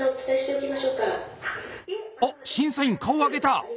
あっ審査員顔を上げた！